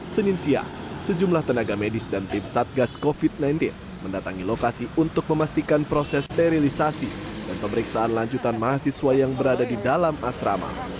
senin siang sejumlah tenaga medis dan tim satgas covid sembilan belas mendatangi lokasi untuk memastikan proses sterilisasi dan pemeriksaan lanjutan mahasiswa yang berada di dalam asrama